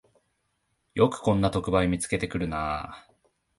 よくこんな特売を見つけてくるなあ